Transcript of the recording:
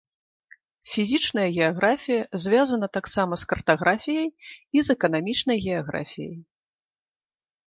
Фізічная геаграфія звязана таксама з картаграфіяй і з эканамічнай геаграфіяй.